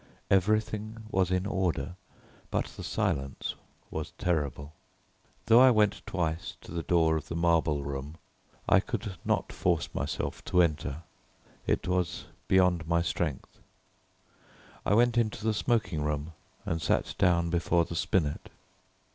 Everything was in order, but the silence was terrible. Though I went twice to the door of the marble room, I could not force myself to enter. It was beyond my strength. I went into the smoking room and sat down before the spinet.